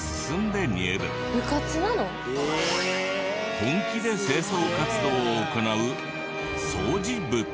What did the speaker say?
本気で清掃活動を行う掃除部。